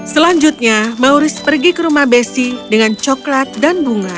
selanjutnya mauris pergi ke rumah besi dengan coklat dan bunga